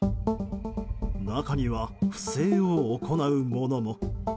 中には不正を行う者も。